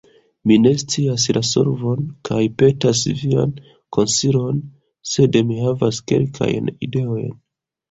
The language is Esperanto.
Mi ne scias la solvon, kaj petas vian konsilon, sed mi havas kelkajn ideojn.